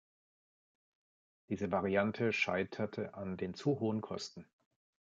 Diese Variante scheiterte an den zu hohen Kosten.